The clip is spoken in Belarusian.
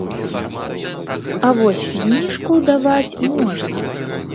А вось зніжку даваць можна.